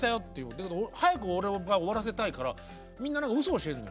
だけど早く俺は終わらせたいからみんなうそを教えるのよ。